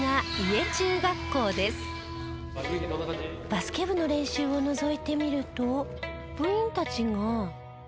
バスケ部の練習をのぞいてみると部員たちが。